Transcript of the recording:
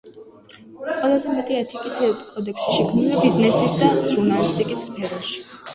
ყველაზე მეტი ეთიკის კოდექსი შექმნილია ბიზნესის და ჟურნალისტიკის სფეროში.